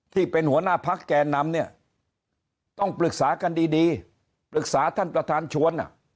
ที่เป็นหัวหน้าพักแก่นำเนี่ยต้องปรึกษากันดีปรึกษาท่านประธานชวน